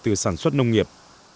từ sản xuất nông nghiệp